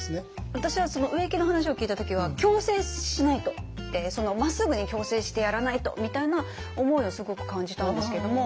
私はその植木の話を聞いた時は矯正しないとまっすぐに矯正してやらないとみたいな思いをすごく感じたんですけども。